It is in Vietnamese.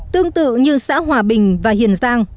tương tự như xã hòa bình và hiền giang